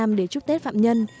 giam để chúc tết phạm nhân